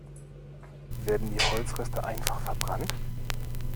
Werden die Holzreste einfach verbrannt?